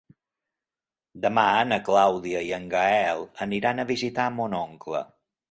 Demà na Clàudia i en Gaël aniran a visitar mon oncle.